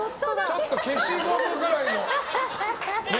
ちょっと消しゴムくらいの。